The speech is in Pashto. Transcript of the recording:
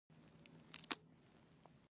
سرحدي سیمو ته یې لېږل.